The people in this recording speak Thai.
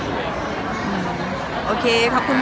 โอเคขอบคุณครับ